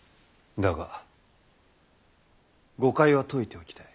だが誤解は解いておきたい。